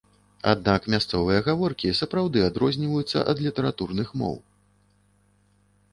Аднак мясцовыя гаворкі сапраўды адрозніваюцца ад літаратурных моў.